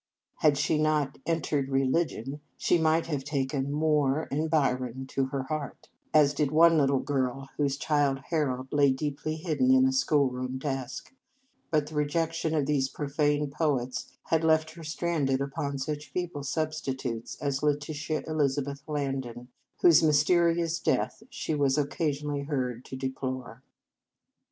Had she not " entered reli gion," she might have taken Moore and Byron to her heart, as did one 191 In Our Convent Days little girl whose "Childe Harold" lay deeply hidden in a schoolroom desk, but the rejection of these profane poets had left her stranded upon such feeble substitutes as Letitia Elizabeth Landon, whose mysterious death she was occasionally heard to deplore.